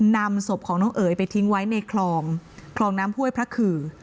นำศพของน้องเอ๋ยไปทิ้งไว้ในคลองคลองน้ำห้วยพระขือ